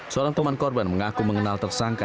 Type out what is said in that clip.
seorang teman korban mengaku mengenal tersangka